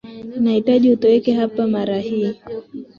Nahitaji utoweke hapa mara hii